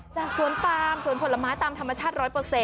สวนปามสวนผลไม้ตามธรรมชาติ๑๐๐